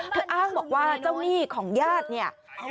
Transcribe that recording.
อ้างบอกว่าเจ้าหนี้ของญาติเนี่ย